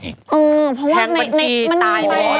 แหล่งปัจจีนผิดมาแล้ว